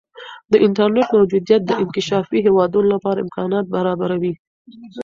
د انټرنیټ موجودیت د انکشافي هیوادونو لپاره امکانات برابروي.